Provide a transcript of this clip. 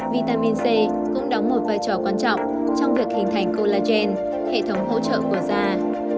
vitamin c cũng đóng một vai trò quan trọng trong việc hình thành colagen hệ thống hỗ trợ của da